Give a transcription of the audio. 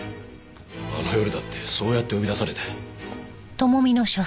あの夜だってそうやって呼び出されて。